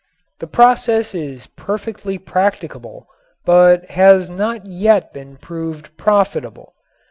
The process is perfectly practicable but has yet to be proved profitable.